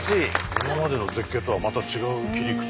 今までの絶景とはまた違う切り口でね。